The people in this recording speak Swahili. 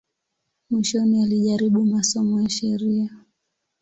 Mwishoni alijaribu masomo ya sheria.